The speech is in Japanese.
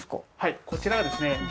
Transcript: こちらはですね